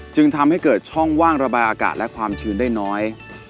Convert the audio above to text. จึงทำให้เกิดช่องว่างระบายอากาศและความชื้นได้น้อย